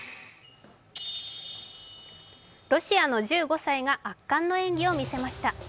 ロシアの１５歳が圧巻の演技を見せました。